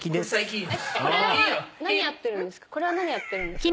これ何やってるんですか？